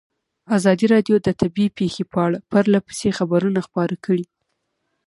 ازادي راډیو د طبیعي پېښې په اړه پرله پسې خبرونه خپاره کړي.